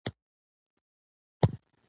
اداره د عامه خدمت د ښه والي لپاره ده.